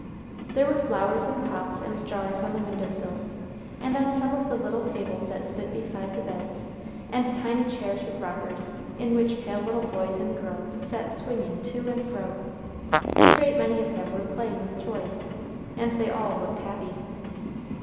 There were flowers in pots and jars on the window sills, and on some of the little tables that stood beside the beds, and tiny chairs with rockers, in which pale little boys and girls sat swinging to and fro. A great many of them were playing with toys, and they all looked happy.